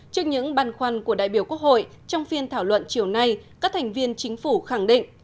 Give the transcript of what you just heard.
trước những băn khoăn của đại biểu quốc hội trong phiên thảo luận chiều nay các thành viên chính phủ khẳng định